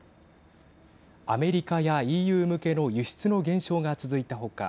アメリカやＥＵ向けの輸出の減少が続いた他